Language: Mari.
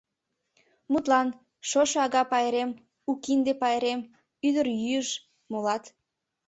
Мутлан, шошо ага пайрем, у кинде пайрем, ӱдырйӱыш, молат.